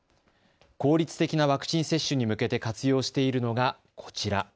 効率的なワクチン接種に向けて活用しているのが、こちら。